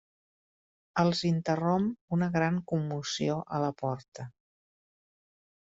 Els interromp una gran commoció a la porta: